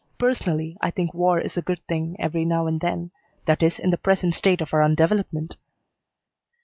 Personally, I think war is a good thing every now and then. That is, in the present state of our undevelopment."